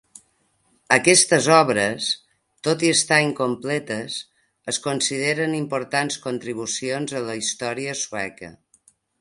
Aquestes obres, tot i estar incompletes, es consideren importants contribucions a la història sueca.